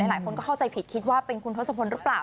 หลายคนก็เข้าใจผิดคิดว่าเป็นคุณทศพลหรือเปล่า